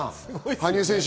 羽生選手。